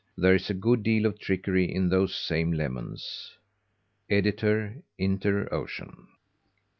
There is a good deal of trickery in those same lemons. Editor Inter Ocean.)